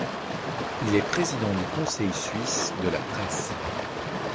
Il est président du Conseil suisse de la presse.